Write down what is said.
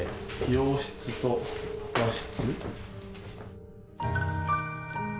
洋室と和室？